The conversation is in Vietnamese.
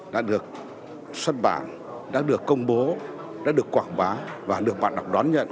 đã được xuất bản đã được công bố đã được quảng bá và được bạn đọc đón nhận